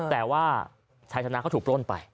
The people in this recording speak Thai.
แต่ว่าชายธนาคตุปล้นไป